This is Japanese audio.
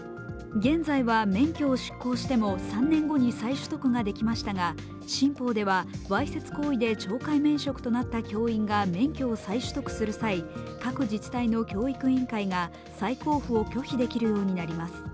現在は免許を失効しても３年後に再取得ができましたが新法ではわいせつ行為で懲戒免職となった教員が免許を再取得する際、各自治体の教育委員会が再交付を拒否できるようになります。